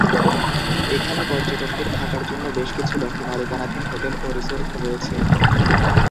এখানে পর্যটকদের থাকার জন্য বেশ কিছু ব্যক্তিমালিকানাধীন হোটেল ও রিসোর্ট রয়েছে।